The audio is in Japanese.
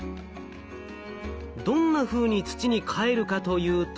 どんなふうに土にかえるかというと。